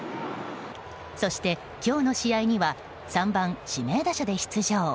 そして今日の試合には３番指名打者で出場。